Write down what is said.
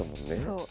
そう。